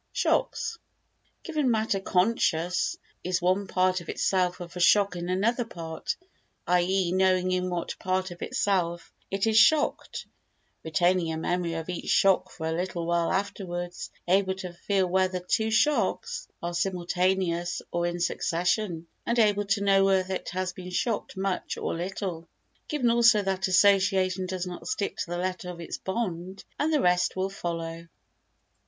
Shocks Given matter conscious in one part of itself of a shock in another part (i.e. knowing in what part of itself it is shocked) retaining a memory of each shock for a little while afterwards, able to feel whether two shocks are simultaneous or in succession, and able to know whether it has been shocked much or little—given also that association does not stick to the letter of its bond—and the rest will follow.